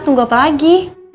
tunggu apa lagi